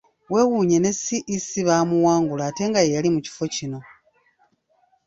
Wewuunye ne CEC bamuwangula ate nga ye yali mu kifo kino.